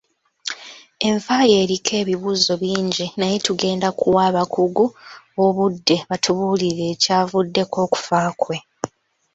Enfa ye eriko ebibuuzo bingi naye tugenda kuwa abakugu obudde batubuulire ekyavuddeko okufa kwe.